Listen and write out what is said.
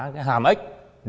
cái hàm ếch